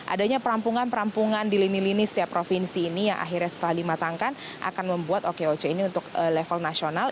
adanya perampungan perampungan di lini lini setiap provinsi ini yang akhirnya setelah dimatangkan akan membuat okoc ini untuk level nasional